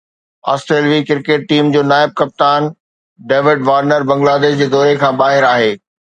آسٽريلوي cricket team جو نائب ڪپتان ڊيوڊ وارنر بنگلاديش جي دوري کان ٻاهر آهي